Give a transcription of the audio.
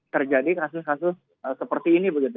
terjadi kasus kasus seperti ini begitu